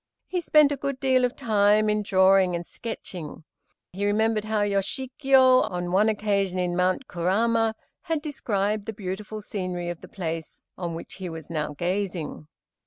He spent a good deal of time in drawing and sketching. He remembered how Yoshikiyo, on one occasion in Mount Kurama, had described the beautiful scenery of the place on which he was now gazing.